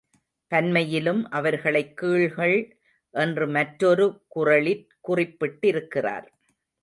பன்மையிலும் அவர்களைக் கீழ்கள் என்று மற்றொரு குறளிற் குறிப்பிட்டிருக்கிறார்.